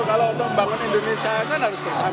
kalau untuk membangun indonesia kan harus bersama